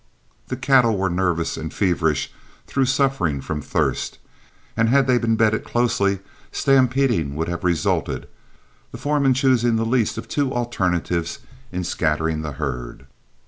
The cattle were nervous and feverish through suffering from thirst, and had they been bedded closely, stampeding would have resulted, the foreman choosing the least of two alternatives in scattering the herd.